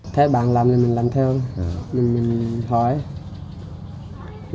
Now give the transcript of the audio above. thế bạn làm thì mình làm theo mình hỏi